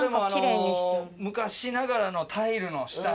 昔ながらのタイルの。